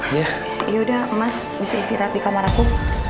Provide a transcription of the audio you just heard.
ya udah mas bisa isi rat di kamar aku